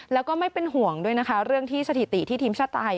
แล้วก็ไม่เป็นห่วงด้วยนะคะเรื่องที่สถิติที่ทีมชาติไทย